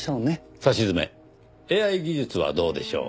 さしずめＡＩ技術はどうでしょう？